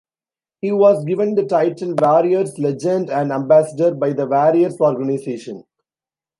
He was given the title "Warriors Legend and Ambassador" by the Warriors organization.